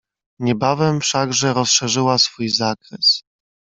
"Niebawem wszakże rozszerzyła swój zakres."